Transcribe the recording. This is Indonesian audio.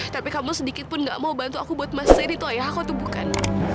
tapi kamu sedikitpun nggak mau bantu aku buat mas siri itu ayahku tuh bukan